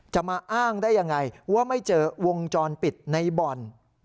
จะมาอ้างได้ยังไงว่าไม่เจอวงจรปิดในบ่อน